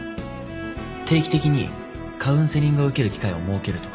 定期的にカウンセリングを受ける機会を設けるとか。